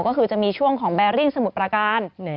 ก็คือจะมีช่วงของแบริ่งสมุทรประการ